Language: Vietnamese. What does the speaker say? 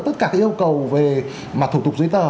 tất cả yêu cầu về thủ tục dưới tờ